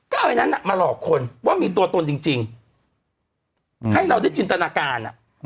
ก็ไอ้นั้นมาหลอกคนว่ามีตัวตนจริงให้เราได้จินตนาการ